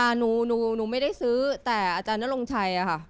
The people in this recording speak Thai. หนูหนูไม่ได้ซื้อแต่อาจารย์นรงชัยอะค่ะ